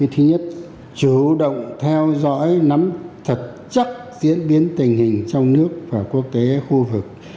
thứ nhất chủ động theo dõi nắm thật chắc diễn biến tình hình trong nước và quốc tế khu vực